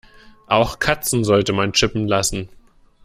Auch Katzen sollte man chippen lassen.